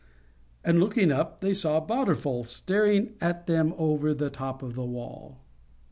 and, looking up, they saw Badorful staring at them over the top of the wall.